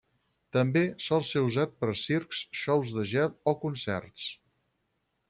També sol ser usat per a circs, xous de gel o concerts.